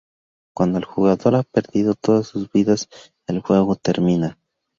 Cuando el jugador ha perdido todas sus vidas, el juego termina.